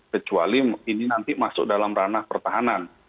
kecuali ini nanti masuk dalam ranah pertahanan